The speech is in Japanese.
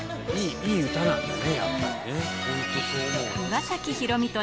いい歌なんだよね、